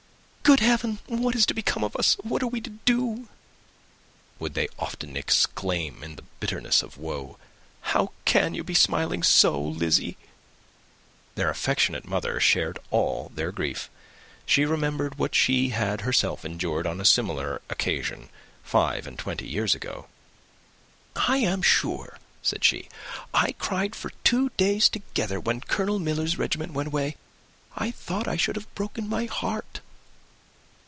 "Good Heaven! What is to become of us? What are we to do?" would they often exclaim in the bitterness of woe. "How can you be smiling so, Lizzy?" Their affectionate mother shared all their grief; she remembered what she had herself endured on a similar occasion five and twenty years ago. "I am sure," said she, "I cried for two days together when Colonel Miller's regiment went away. I thought I should have broke my heart."